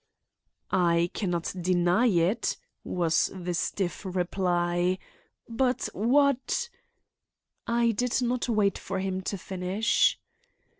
"I can not deny it," was the stiff reply, "but what—" I did not wait for him to finish.